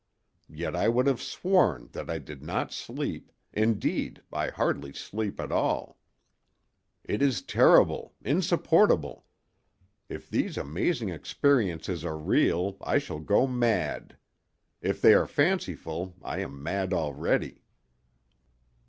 Yet I would have sworn that I did not sleep—indeed, I hardly sleep at all. It is terrible, insupportable! If these amazing experiences are real I shall go mad; if they are fanciful I am mad already.